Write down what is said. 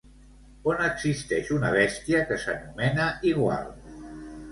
On existeix una bèstia que s'anomena igual?